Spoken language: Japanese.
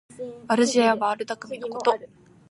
悪知恵や悪だくみのこと。